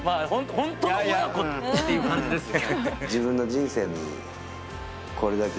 ホントの親子っていう感じですよね